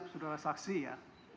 sudara saksi ya